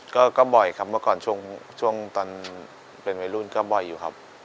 ก็บ่อยครับเมื่อก่อนช่วงตอนเป็นวัยรุ่นก็บ่อยอยู่ครับ